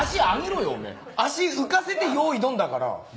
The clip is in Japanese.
足浮かせて用意ドンだから。